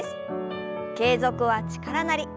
「継続は力なり」。